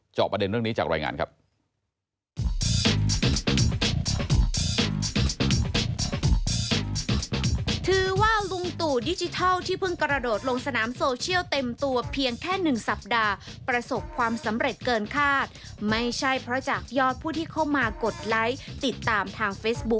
จอบประเด็นเรื่องนี้จากรายงานครับ